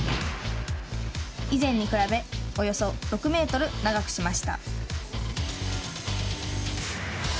以前に比べ、およそ６メートル長くしました。